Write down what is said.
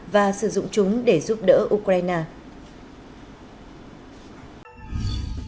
và sử dụng chúng để giúp đỡ ukraine